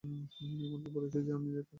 এমনভাবে বলছিস যেন আমিই তার খেয়াল রাখবো?